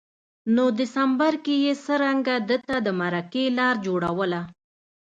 نو دسمبر کي یې څرنګه ده ته د مرکې لار جوړوله